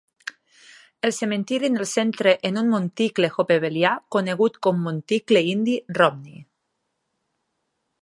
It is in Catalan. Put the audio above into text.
El cementiri en el centre en un monticle Hopewellià conegut com monticle indi Romney.